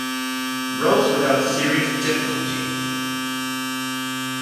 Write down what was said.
Rose without serious difficulty.